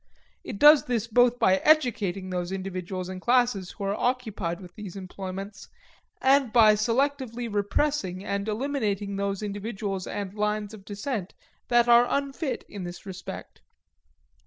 It does this both by educating those individuals and classes who are occupied with these employments and by selectively repressing and eliminating those individuals and lines of descent that are unfit in this respect.